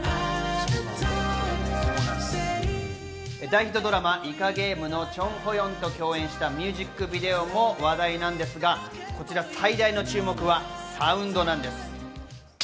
大ヒットドラマ『イカゲーム』のチョン・ホヨンと共演したミュージックビデオも話題なんですが、こちら最大の注目はサウンドなんです。